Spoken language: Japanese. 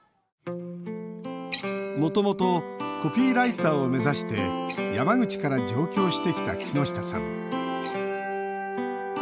もともとコピーライターを目指して山口から上京してきた木下さん。